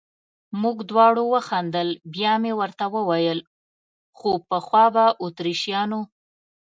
موږ دواړو وخندل، بیا مې ورته وویل: خو پخوا به اتریشیانو.